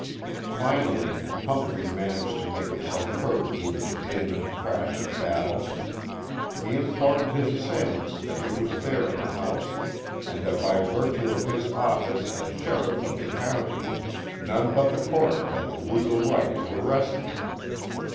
Finally Humphrey managed to make himself heard through the din and crash of battle. He informed his assailants that he was there in the house and that by virtue of his office as sheriff of the county none but the coroner had the legal right to arrest him.